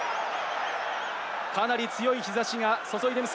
かなり強い日ざしが注いでいます。